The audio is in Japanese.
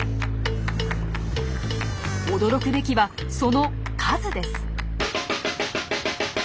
驚くべきはその数です。